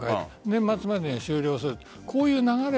年末までに終了するという流れ。